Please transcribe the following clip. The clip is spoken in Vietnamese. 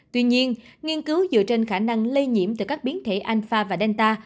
tuy nhiên nghiên cứu dựa trên khả năng lây nhiễm từ các biến thể anfa và delta